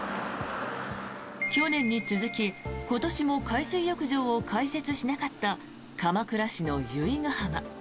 去年に続き今年も海水浴場を開設しなかった鎌倉市の由比ガ浜。